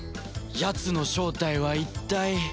やつの正体は一体？